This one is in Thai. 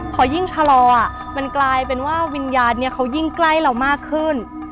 พอยิ่งชะลอมันกลายเป็นว่าวิญญาณเนี่ยเขายิ่งใกล้เรามากขึ้น